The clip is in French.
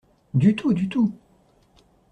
Du tout ! du tout !